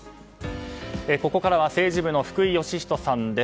ここからは政治部の福井慶仁さんです。